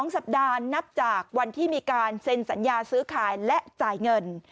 ๒สัปดาห์นับจากวันที่มีการเซ็นสัญญาซื้อขายและจ่ายเงิน